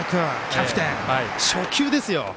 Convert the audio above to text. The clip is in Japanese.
キャプテン、初球でしたよ。